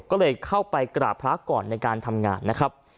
ก็เลยเข้าไปกราบพระก่อนในการทำงานนะครับ